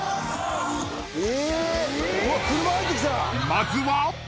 ［まずは］